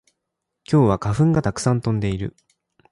今日は花粉がたくさん飛んでいる